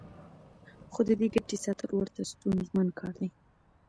خو د دې ګټې ساتل ورته ستونزمن کار دی